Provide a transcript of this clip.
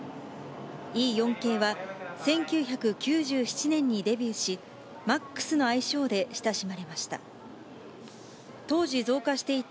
Ｅ４系は、１９９７年にデビューし、Ｍａｘの愛称で親しまれました。